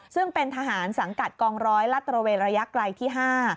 ซึ่งเป็นทหารสังกัดกองร้อยลัดตระเวนระยะไกลที่๕